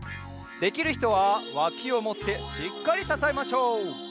できるひとはわきをもってしっかりささえましょう。